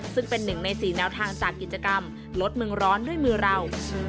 ซึ่งเป็นหนึ่งใน๔แนวทางจากกิจกรรมลดเมืองร้อนด้วยมือเรา